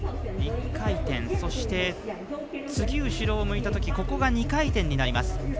１回転、そして次に後ろを向いたときここが２回転になります。